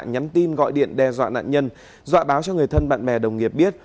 nhắn tin gọi điện đe dọa nạn nhân dọa báo cho người thân bạn bè đồng nghiệp biết